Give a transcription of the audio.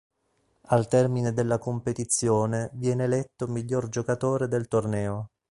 Al termine della competizione viene eletto miglior giocatore del torneo.